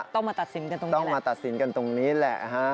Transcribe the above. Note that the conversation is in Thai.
ต้องมาตัดสินกันตรงนี้ต้องมาตัดสินกันตรงนี้แหละฮะ